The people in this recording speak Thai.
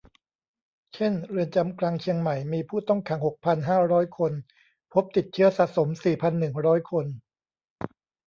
เช่น เรือนจำกลางเชียงใหม่ มีผู้ต้องขังหกพันห้าร้อยคน พบติดเชื้อสะสมสี่พันหนึ่งร้อยคน